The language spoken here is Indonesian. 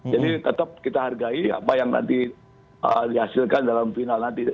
jadi tetap kita hargai apa yang nanti dihasilkan dalam final nanti